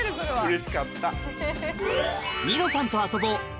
うれしかった。